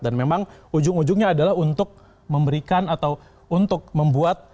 dan memang ujung ujungnya adalah untuk memberikan atau untuk membuat